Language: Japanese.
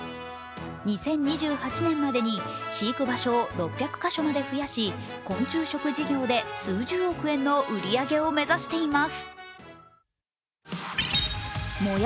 ２０２８年までに飼育場所を６００か所まで増やし昆虫食事業で数十億円の売り上げを目指しています。